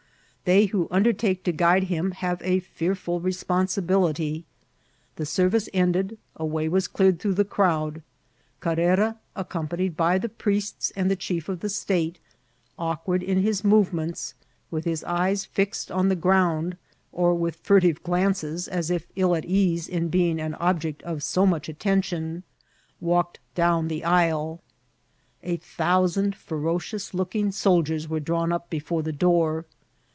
They who undertake to guide him have a fearful responsibility. The service ended, a way was cleared through die crowd. Carrera, accompanied by the priests and the chief of the statCi awkward in his movements, with his eyes fixed on the ground, or with furtive glances, as if ill at ease in being an object of so nrach attention, walked down die aisle. A thousand ferocious looking soldiers were drawn up before the door.